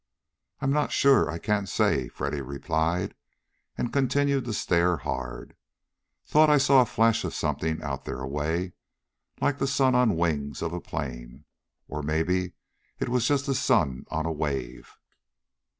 "I'm not sure; I can't say," Freddy replied, and continued to stare hard. "Thought I saw a flash of something out there a way. Like sun on the wings of a plane. Or maybe it was just the sun on a wave."